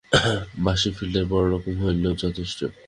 বাঁশের ফিল্টার বড় রকম হইলেই যথেষ্ট।